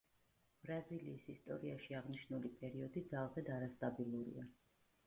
ბრაზილიის ისტორიაში აღნიშნული პერიოდი ძალზედ არასტაბილურია.